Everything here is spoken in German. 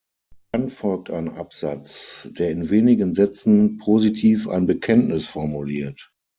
Dann folgt ein Absatz, der in wenigen Sätzen positiv ein Bekenntnis formuliert.